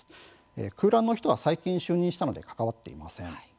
空欄の人は最近就任したということでこれには関わっていません。